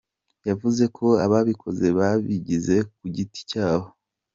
Yavuze ko ababikoze babigize ku giti cyabo.